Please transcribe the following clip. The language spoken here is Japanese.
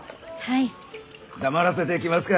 黙らせてきますか？